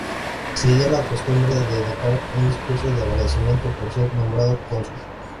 Seguía la costumbre de dedicar un discurso de agradecimiento por ser nombrado cónsul.